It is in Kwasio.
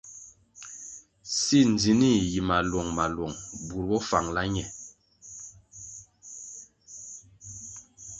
Si ndzinih yi maluong-maluong bur bo fangala ñe.